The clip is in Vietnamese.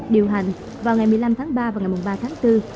điều hành vào ngày một mươi năm tháng ba và ngày ba tháng bốn